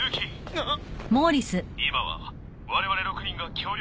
あっ。